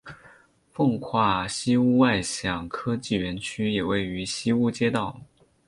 奉化西坞外向科技园区也位于西坞街道。